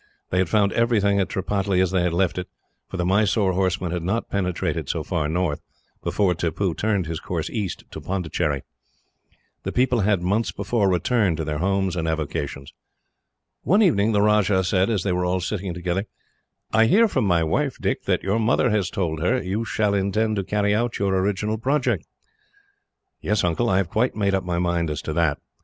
They had found everything at Tripataly as they had left it, for the Mysore horsemen had not penetrated so far north, before Tippoo turned his course east to Pondicherry. The people had, months before, returned to their homes and avocations. One evening the Rajah said, as they were all sitting together: "I hear from my wife, Dick, that your mother has told her you still intend to carry out your original project." "Yes, Uncle. I have quite made up my mind as to that.